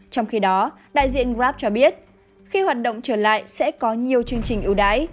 trong khi đó đại diện grab cho biết khi hoạt động trở lại sẽ có nhiều chương trình ưu đãi